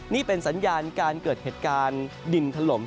นี่เป็นสัญญาณการเกิดเหตุการณ์ดินถล่ม